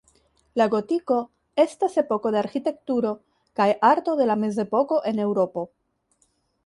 La gotiko estas epoko de arĥitekturo kaj arto de la mezepoko en Eŭropo.